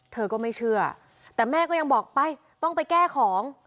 เธอก็ไม่เชื่อแต่แม่ก็ยังบอกไปต้องไปแก้ของ